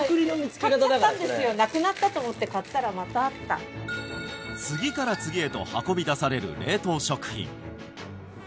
なくなったと思って買ったらまたあった次から次へと運び出される冷凍食品